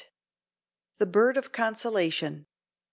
THE BIRD OF CONSOLATION.